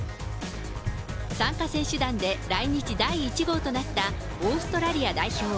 参加選手団で来日第１号となったオーストラリア代表。